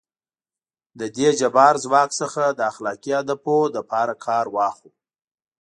له دې جبار ځواک څخه د اخلاقي هدفونو لپاره کار واخلو.